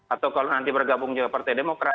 atau kalau nanti bergabung juga partai demokrat